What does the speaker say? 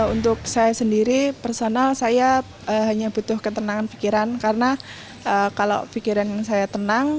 untuk saya sendiri personal saya hanya butuh ketenangan pikiran karena kalau pikiran saya tenang